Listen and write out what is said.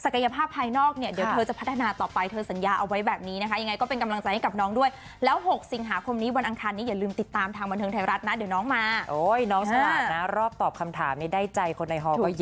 คำถามนี้ได้ใจคนในฮก็เยอะนะคุณผู้ชมค่ะ